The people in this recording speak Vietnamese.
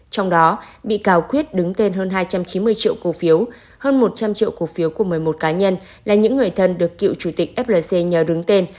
trong đó bị cáo quyết đứng tên hơn hai trăm chín mươi triệu cổ phiếu hơn một trăm linh triệu cổ phiếu của một mươi một cá nhân là những người thân được cựu chủ tịch flc nhờ đứng tên